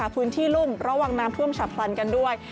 พื้นที่รุ่มระวังน้ำท่วมฉับพลันกันด้วย